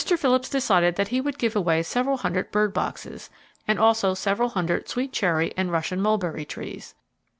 Phillips decided that he would give away several hundred bird boxes, and also several hundred sweet cherry and Russian mulberry trees.